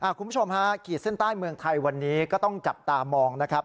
คุณผู้ชมฮะขีดเส้นใต้เมืองไทยวันนี้ก็ต้องจับตามองนะครับ